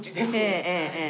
ええええええ。